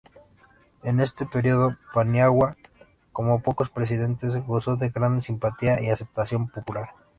En este período Paniagua, como pocos presidentes, gozó de gran simpatía y aceptación popular.